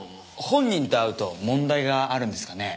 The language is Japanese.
本人と会うと問題があるんですかね？